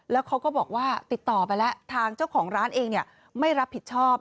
แล้วเขาก็บอกว่าติดต่อไปแล้วทางเจ้าของร้านเองไม่รับผิดชอบ